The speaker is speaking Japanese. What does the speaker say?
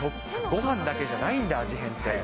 ごはんだけじゃないんだ、味変って。